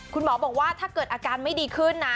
คุณหมอบอกว่าถ้าเกิดอาการไม่ดีขึ้นนะ